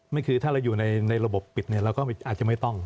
นี่คือถ้าเราอยู่ในระบบปิดเราก็อาจจะไม่ต้อง